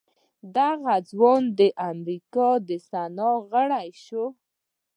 دغه ځوان د امريکا د سنا غړی شو.